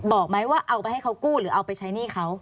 บอกไหมว่าเอาไปให้เขากู้หรือเอาไปใช้หนี้เขา